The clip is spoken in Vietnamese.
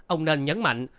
ông nên nhấn mạnh